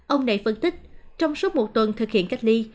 ông này phân tích trong suốt một tuần thực hiện cách ly